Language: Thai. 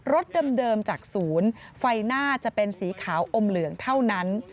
เดิมจากศูนย์ไฟหน้าจะเป็นสีขาวอมเหลืองเท่านั้น